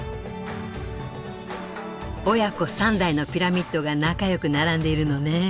親子３代のピラミッドが仲よく並んでいるのね。